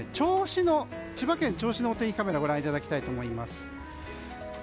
千葉県銚子のお天気カメラをご覧いただきます。